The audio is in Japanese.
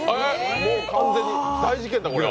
もう完全に大事件だ、これは。